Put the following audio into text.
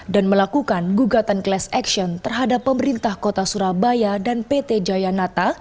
dan melakukan gugatan class action terhadap pemerintah kota surabaya dan pt jayanata